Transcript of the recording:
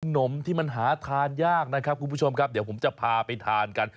นมที่มันหาทานยากนะครับคุณผู้ชมครับเดี๋ยวผมจะพาไปทานกัน